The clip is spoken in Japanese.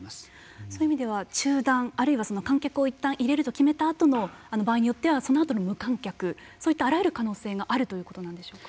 そういう意味では中断あるいは観客をいったん入れるといった場合場合によってはそのあとの無観客そういったあらゆる可能性があるということなんでしょうか。